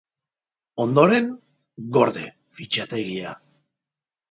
Ondoren, gorde fitxategia.